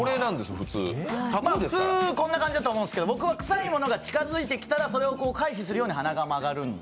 普通こんな感じだと思うんですけど、僕はくさいものが近づいてきたら、それを回避するように鼻が曲がるんで。